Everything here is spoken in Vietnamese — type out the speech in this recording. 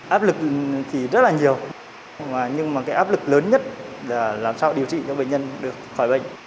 áp lực thì rất là nhiều nhưng mà cái áp lực lớn nhất là làm sao điều trị cho bệnh nhân được khỏi bệnh